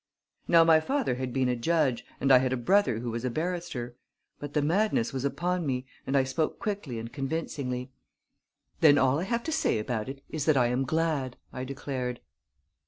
Now my father had been a judge and I had a brother who was a barrister; but the madness was upon me and I spoke quickly and convincingly. "Then all I have to say about it is that I am glad!" I declared.